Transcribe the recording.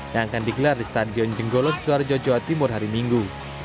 yang akan digelar di stadion jenggolo sidoarjo jawa timur hari minggu